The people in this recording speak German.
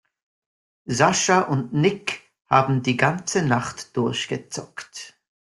Sascha und Nick haben die ganze Nacht durchgezockt.